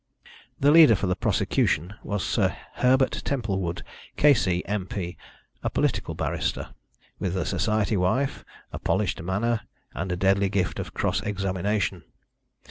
The leader for the prosecution was Sir Herbert Templewood, K.C., M.P., a political barrister, with a Society wife, a polished manner, and a deadly gift of cross examination.